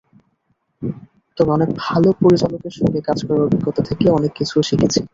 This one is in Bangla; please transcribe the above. তবে অনেক ভালো পরিচালকের সঙ্গে কাজ করার অভিজ্ঞতা থেকে অনেক কিছু শিখেছি।